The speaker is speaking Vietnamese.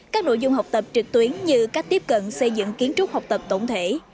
các nội dung học tập trực tuyến như cách tiếp cận xây dựng kiến trúc học tập tổng thể